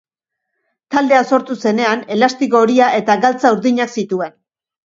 Taldea sortu zenean elastiko horia eta galtza urdinak zituen.